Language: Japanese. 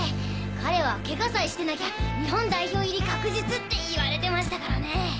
彼はケガさえしてなきゃ日本代表入り確実って言われてましたからね！